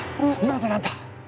なぜなんだ。